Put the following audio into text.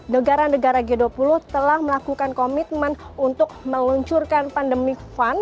negara negara g dua puluh telah melakukan komitmen untuk meluncurkan pandemic fund